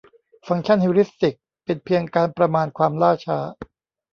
ฟังก์ชันฮิวริสติกเป็นเพียงการประมาณความล่าช้า